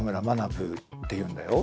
ブーっていうんだよ。